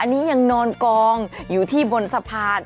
อันนี้ยังนอนกองอยู่ที่บนสะพาน